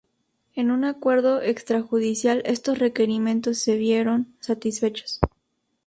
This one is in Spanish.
En un acuerdo extrajudicial estos requerimientos se vieron satisfechos.